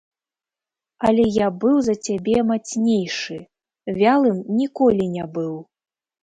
Але я быў за цябе мацнейшы, вялым ніколі не быў.